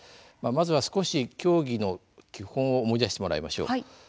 まずは少し競技の基本を思い出してもらいましょう。